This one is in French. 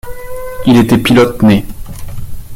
Il était pilote né.